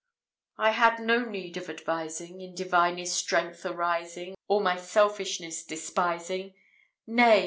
I had need of no advising; In divinest strength arising, All my selfishness despising, "Nay!"